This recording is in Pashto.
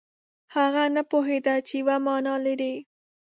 هغه نه پوهېده چې یوه معنا لري.